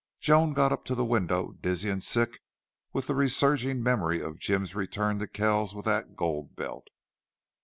Joan got up to the window, dizzy and sick with the resurging memory of Jim's return to Kells with that gold belt.